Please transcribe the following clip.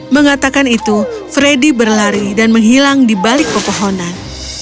mengatakan itu freddy berlari dan menghilang di balik pepohonan